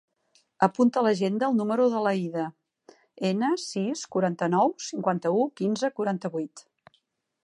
Apunta a l'agenda el número de l'Aïda Ene: sis, quaranta-nou, cinquanta-u, quinze, quaranta-vuit.